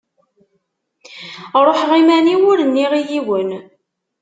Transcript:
Ruḥeɣ iman-iw ur nniɣ i yiwen.